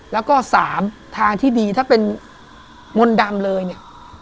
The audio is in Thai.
แล้วก็สามทางที่ดีถ้าเป็นมนต์ดำเลยเนี่ย